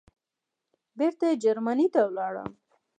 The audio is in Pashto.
بېرته جرمني ته ولاړم.